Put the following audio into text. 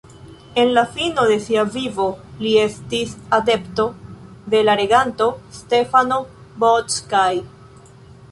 En la fino de sia vivo li estis adepto de la reganto Stefano Bocskai.